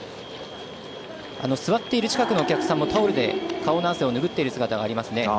座っている近くのお客さんもタオルで顔の汗をぬぐっている姿があります。